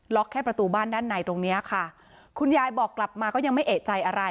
แค่ประตูบ้านด้านในตรงเนี้ยค่ะคุณยายบอกกลับมาก็ยังไม่เอกใจอะไร